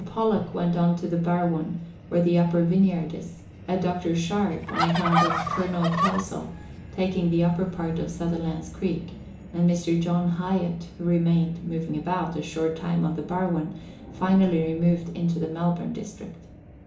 Pollock went on to the Barwon where the upper vineyard is ; a Mr. Sharpe, on account of Colonel Kelsall, taking the upper part of Sutherland's Creek, and Mr. John Highett, who remained (moving about) a short time on the Barwon, finally removed into the Melbourne District.